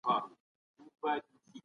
دا کتاب تر هغه بل کتاب ډېر ګټور دی.